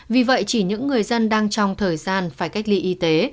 vì vậy chỉ những người dân đang trong thời gian phải cách ly y tế